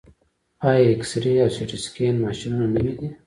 آیا اکسرې او سټي سکن ماشینونه نوي دي؟